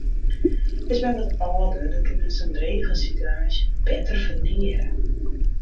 Is men wat âlder, dan kin men sa'n drege sitewaasje better ferneare.